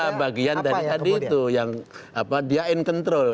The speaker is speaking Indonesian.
ini juga bagian dari tadi itu yang apa dia in control